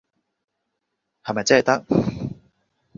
係咪即係得？